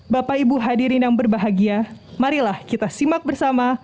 bapak ibu hadirin yang berbahagia marilah kita simak bersama